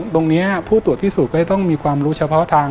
ตรงนี้ผู้ตรวจพิสูจน์ก็จะต้องมีความรู้เฉพาะทาง